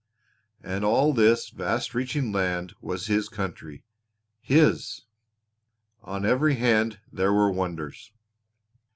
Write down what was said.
And all this vast reaching land was his country his! On every hand there were wonders!